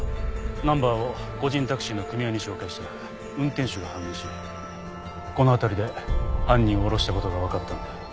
ナンバーを個人タクシーの組合に照会したら運転手が判明しこの辺りで犯人を降ろした事がわかったんで。